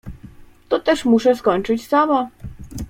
Toteż muszę skończyć sama.